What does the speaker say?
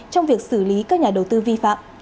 trong việc xử lý các nhà đầu tư vi phạm